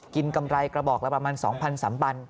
กินกำไรกระบอกละประมาณ๒๐๐๐สำบัญ